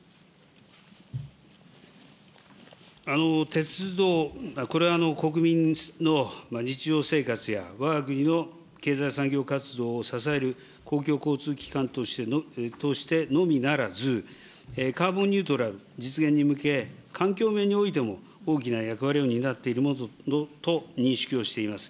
鉄道、これは国民の日常生活やわが国の経済産業活動を支える公共交通機関としてのみならず、カーボンニュートラル実現に向け、環境面においても大きな役割を担っているものと認識をしております。